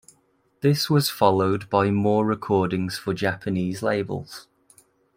This was followed by more recordings for Japanese labels.